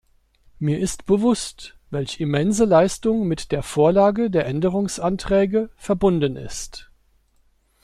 Mir ist bewusst, welch immense Leistung mit der Vorlage der Änderungsanträge verbunden ist.